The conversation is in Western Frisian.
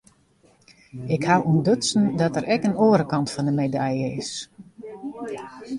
Ik haw ûntdutsen dat der ek in oare kant fan de medalje is.